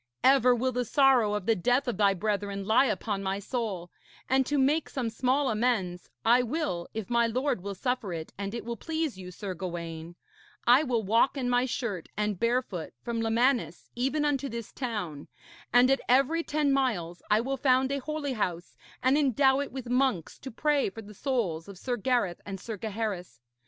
Ever will the sorrow of the death of thy brethren lie upon my soul; and to make some small amends I will, if my lord will suffer it and it will please you, Sir Gawaine, I will walk in my shirt and barefoot from Lemanis even unto this town, and at every ten miles I will found a holy house, and endow it with monks to pray for the souls of Sir Gareth and Sir Gaheris.